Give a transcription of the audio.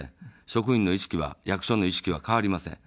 職員の意識は、役所の意識は変わりません。